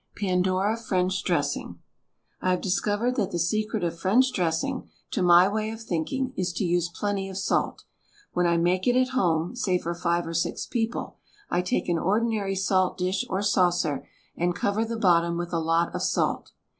PANDORA FRENCH DRESSING I have discovered that the secret of French dressing, to my way of thinking, is to use plenty of salt. When I make it at home — say for five or six people — I take an ordinary salt dish or saucer and cover the bottom with a lot of salt.